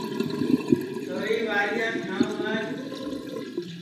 چھوری وارِیاس ٹھانٚو ماج